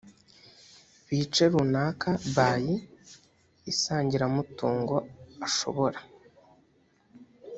bice runaka by isangiramutungo ashobora